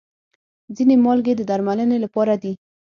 ځینې مالګې د درملنې لپاره دي.